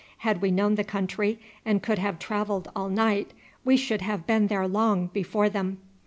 Had we known the country and could have travelled all night, we should have been there long before them.